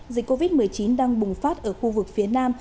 dịch covid một mươi chín đang bùng phát ở khu vực phía nam